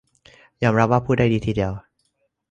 ยอมรับว่าพูดได้ดีทีเดียว